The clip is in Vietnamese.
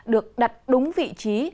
được đặt đúng vị trí